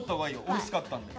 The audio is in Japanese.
おいしかったんだよ